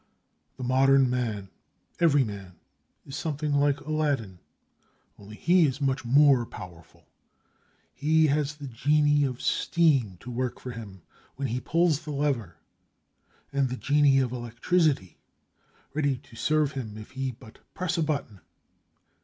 The modern man—every man—is something like Aladdin, only he is much more powerful. He has the genie of steam to work for him when he pulls the lever, and the genie of electricity ready to serve him if he but press a button.